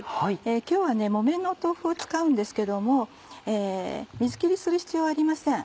今日は木綿の豆腐を使うんですけども水切りする必要はありません。